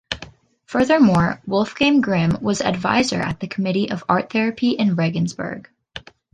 Furthermore, Wolfgang Grimm was advisor at the committee of art therapy in Regensburg.